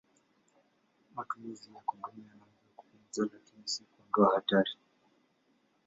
Matumizi ya kondomu yanaweza kupunguza, lakini si kuondoa hatari.